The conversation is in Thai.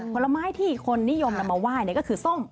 ผลไม้ที่คนนิยมนำมาไหว้ก็คือส้ม